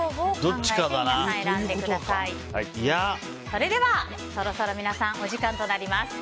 それでは、そろそろお時間となります。